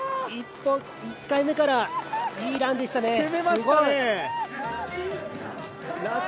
１回目からいいランでしたね！